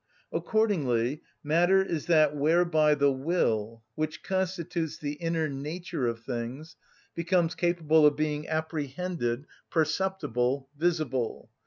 Accordingly matter is that whereby the will, which constitutes the inner nature of things, becomes capable of being apprehended, perceptible, visible.